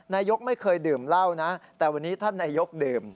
นายกไม่เคยดื่มเหล้านะแต่วันนี้ท่านนายกดื่ม